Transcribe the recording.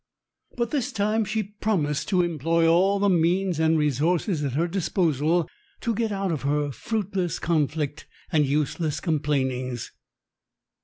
But this time she promised to employ all the means and resources at her disposal to get out of her fruitless conflict and useless complainings....